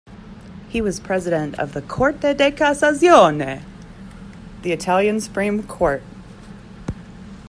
He was president of the Corte di Cassazione, the Italian Supreme Court.